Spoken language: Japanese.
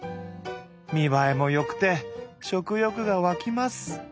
見栄えも良くて食欲がわきます。